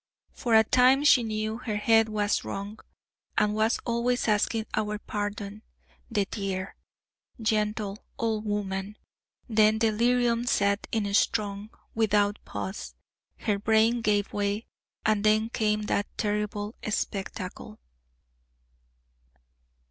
For a time she knew her head was wrong, and was always asking our pardon the dear, gentle old woman; then delirium set in strong, without pause. Her brain gave way, and then came that terrible spectacle.